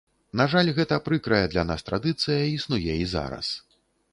На жаль, гэта прыкрая для нас традыцыя існуе і зараз.